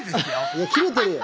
いや切れてるよ！